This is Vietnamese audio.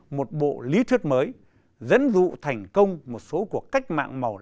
một bộ lý thuyết mới dẫn dụ thành công một số cuộc cách mạng màu